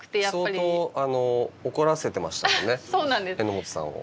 相当怒らせてましたもんね榎本さんを。